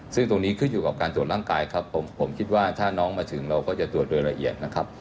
ซึ่งตรงนี้ขึ้นอยู่กับการตรวจร่างกายครับผมคิดว่าถ้าน้องมาถึงเราก็จะตรวจโดยละเอียดนะครับ